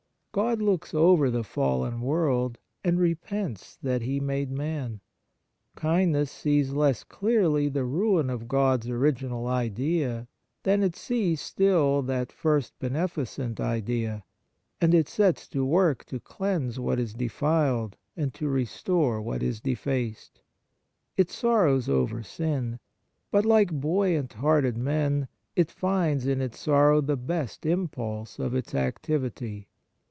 God looks over the fallen world, and repents that He made man. Kindness sees less clearly the ruin of God's original idea than it sees still that first beneficent idea, and it sets to work to cleanse w^hat is defiled and to restore what is defaced. It sorrows over sin, but, like buoyant hearted men, it finds in its sorrow the l3est impulse of its activity.